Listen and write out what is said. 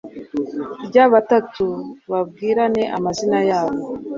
rya batatu, babwirane amazina yabo